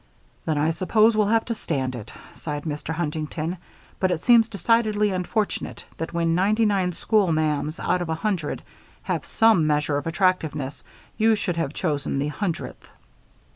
"Then I suppose we'll have to stand it," sighed Mr. Huntington, "but it seems decidedly unfortunate that when ninety nine school ma'ams out of a hundred have some measure of attractiveness, you should have chosen the hundredth."